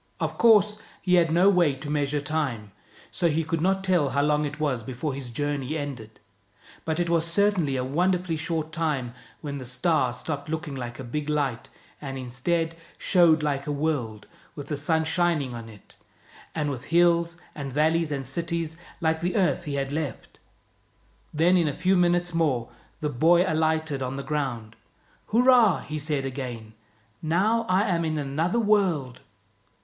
Of course he had no way to measure time, so he could not tell how long it was before his journey ended; but it was certainly a wonderfully short time when the star stopped looking like a big light, and instead showed like a world, with the sun shining on it, and 67 THE BOY WHO WENT OUT OF THE WORLD with hills and valleys and cities, like the earth he had left. Then in a few minutes more the boy alighted on the ground. "Hurrah!" he said again. "Now I am in another world."